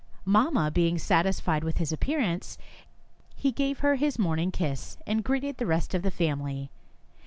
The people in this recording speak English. Mamma being satisfied with his appearance, he gave her his morning kiss, and greeted the rest of the family.